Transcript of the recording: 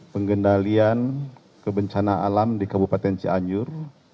pengendalian kebencana alam di kabupaten cianjur